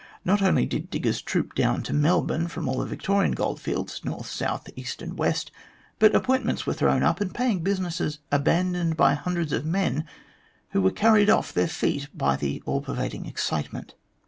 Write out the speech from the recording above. Not only did diggers troop down to Melbourne from all the Victorian goldfields, north, south, east, and west, but appointments were thrown up and paying businesses abandoned by hundreds of men who were carried off their feet by the all pervading excitement.